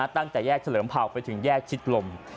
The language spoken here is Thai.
ตั้งแต่แยกเฉลิมเผ่าไปถึงแยกชิดลม